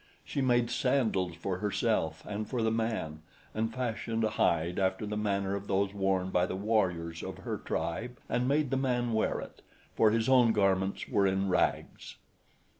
She made sandals for herself and for the man and fashioned a hide after the manner of those worn by the warriors of her tribe and made the man wear it, for his own garments were in rags.